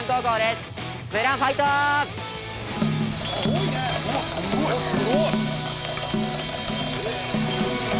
すごい！